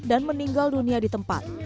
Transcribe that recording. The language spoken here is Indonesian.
dan meninggal dunia di tempat